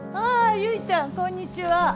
ああ結ちゃんこんにちは。